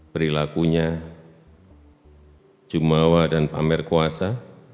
perilakunya jumawa dan pamer kuasa